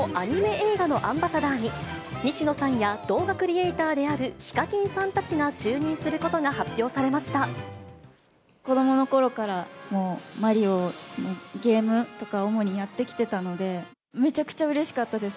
映画のアンバサダーに、西野さんや動画クリエーターであるＨＩＫＡＫＩＮさんたちが就任子どものころからもうマリオのゲームとか、主にやってきてたので、めちゃくちゃうれしかったです。